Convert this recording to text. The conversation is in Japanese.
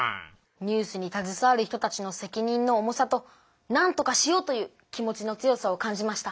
ニュースにたずさわる人たちのせきにんの重さとなんとかしようという気持ちの強さを感じました。